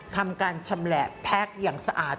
ทำการชำแหละแพ็คอย่างสะอาด